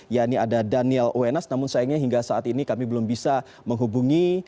yaitu daniel uenas namun sayangnya hingga saat ini kami belum bisa menghubungi